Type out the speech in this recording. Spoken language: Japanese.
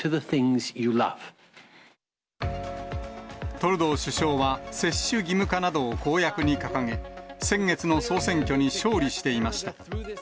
トルドー首相は接種義務化などを公約に掲げ、先月の総選挙に勝利していました。